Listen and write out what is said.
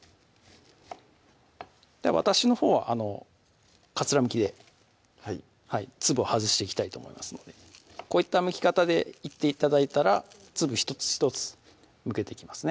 私のほうはかつらむきではい粒を外していきたいと思いますのでこういったむき方でいって頂いたら粒１つ１つむけていきますね